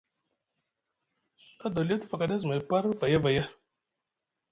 Adoliyo te fakaɗi azumay par vaya vaya.